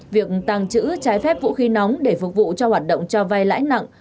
việc tăng trữ trái phép vũ khí nóng để phục vụ cho hoạt động cho vai lãi nặng